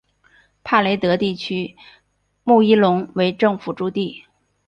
帕雷德地区穆伊隆为政府驻地。